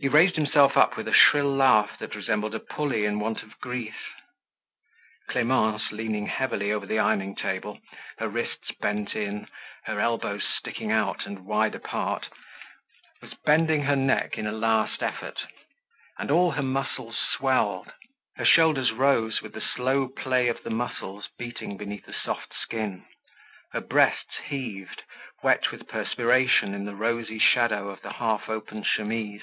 He raised himself up with a shrill laugh that resembled a pulley in want of grease. Clemence, leaning heavily over the ironing table, her wrists bent in, her elbows sticking out and wide apart was bending her neck in a last effort; and all her muscles swelled, her shoulders rose with the slow play of the muscles beating beneath the soft skin, her breasts heaved, wet with perspiration in the rosy shadow of the half open chemise.